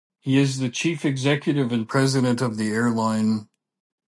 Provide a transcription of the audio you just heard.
He is the Chief Executive and President of the airline.